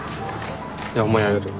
いやほんまにありがとう。